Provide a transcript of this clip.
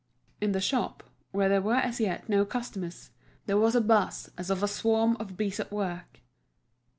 In the shop, where there were as yet no customers, there was a buzz as of a swarm of bees at work.